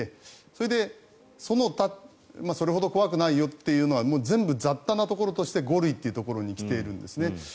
それで、その他それほど怖くないよっていうのは全部雑多なところとして５類に来ているんですね。